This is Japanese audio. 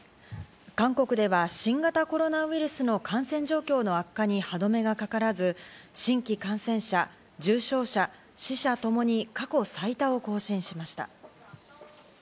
韓国では新型コロナウイルスの感染状況の悪化に歯止めがかからず、新規感染者、重症者、死者ともに過去最多を更新しました。